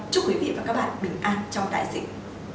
chúc quý vị và các bạn bình an trong đại dịch